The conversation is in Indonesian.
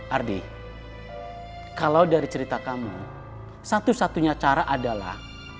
ardi kalau dari cerita kamu satu satunya cara adalah